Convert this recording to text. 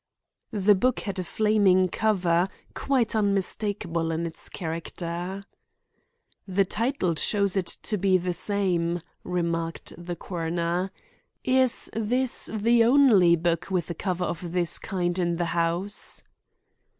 The book had a flaming cover, quite unmistakable in its character. "The title shows it to be the same," remarked the coroner. "Is this the only book with a cover of this kind in the house?"